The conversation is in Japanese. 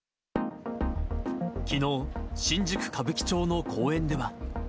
きのう、新宿・歌舞伎町の公園では。